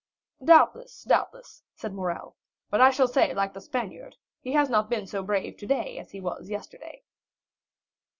"Doubtless, doubtless," said Morrel; "but I shall say, like the Spaniard, 'He has not been so brave today as he was yesterday.